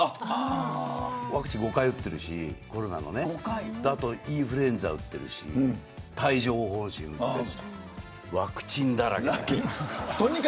ワクチン５回打ってるしコロナとかあと、インフルエンザ打ってるし帯状疱疹とかワクチンだらけなんだよ。